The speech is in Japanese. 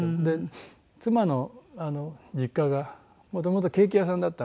妻の実家がもともとケーキ屋さんだったので。